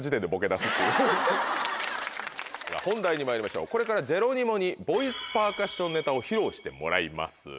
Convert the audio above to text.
本題にまいりましょうこれからジェロニモにボイスパーカッションネタを披露してもらいます。